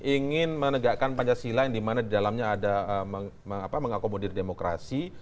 ingin menegakkan pancasila yang dimana di dalamnya ada mengakomodir demokrasi